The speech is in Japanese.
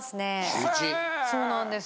そうなんです。